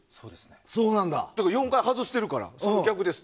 ４回外しているからその逆です。